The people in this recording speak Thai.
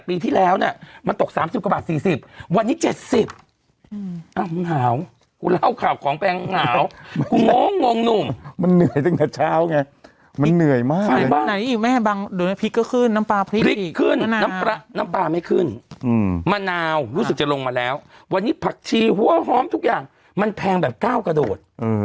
พริกก็ขึ้นน้ำปลาพริกขึ้นน้ำปลาน้ำปลาไม่ขึ้นมะนาวรู้สึกจะลงมาแล้ววันนี้ผักชีหัวหอมทุกอย่างมันแพงแบบก้าวกระโดด